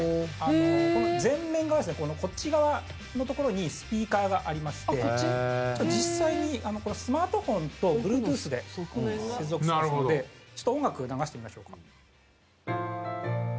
前面側こっち側のところにスピーカーがありまして実際にスマートフォンとＢｌｕｅｔｏｏｔｈで接続しますのでちょっと音楽流してみましょうか。